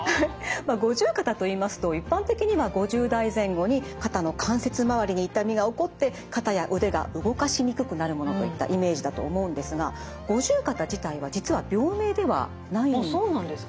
五十肩といいますと一般的には５０代前後に肩の関節まわりに痛みが起こって肩や腕が動かしにくくなるものといったイメージだと思うんですがあっそうなんですか？